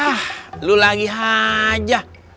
yah lu lagi haja